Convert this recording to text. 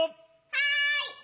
はい！